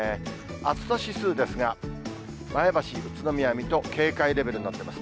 暑さ指数ですが、前橋、宇都宮、水戸、警戒レベルになっています。